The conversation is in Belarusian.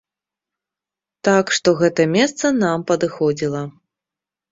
Так што гэта месца нам падыходзіла.